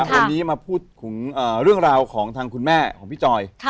วันนี้มาพูดถึงเรื่องราวของทางคุณแม่ของพี่จอย